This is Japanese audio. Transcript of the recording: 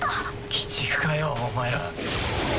鬼畜かよお前ら。